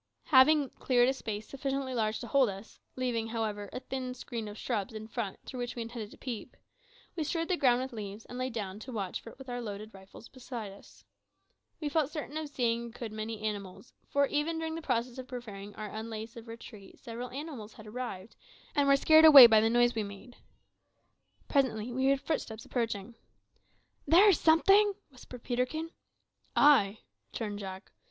Having cleared a space sufficiently large to hold us leaving, however, a thin screen of shrubs in front through which we intended to peep we strewed the ground with leaves, and lay down to watch with our loaded rifles close beside us. We felt certain of seeing a good many animals, for even during the process of preparing our unlace of retreat several arrived, and were scared away by the noise we made. Presently we heard footsteps approaching. "There's something," whispered Peterkin. "Ay," returned Jack.